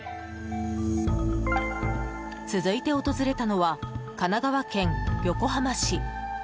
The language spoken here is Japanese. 続いて訪れたのは神奈川県横浜市。